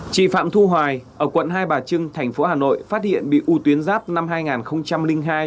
chị phạm thu hoài ở quận hai bà trưng thành phố hà nội phát hiện bị u tuyến giáp năm hai nghìn hai